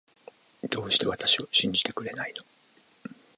どうして私を信じてくれないの